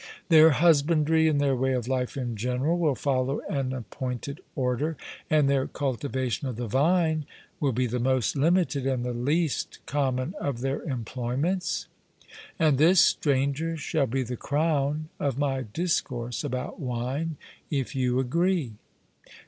Their husbandry and their way of life in general will follow an appointed order, and their cultivation of the vine will be the most limited and the least common of their employments. And this, Stranger, shall be the crown of my discourse about wine, if you agree.